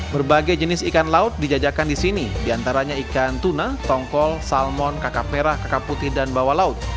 berbagai jenis ikan laut dijajakan di sini diantaranya ikan tuna tongkol salmon kakak perah kakak putih dan bawah laut